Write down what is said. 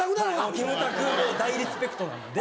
キムタク大リスペクトなんで。